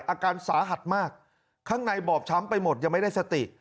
อาการสาหัสมากข้างในบอบช้ำไปหมดยังไม่ได้สติ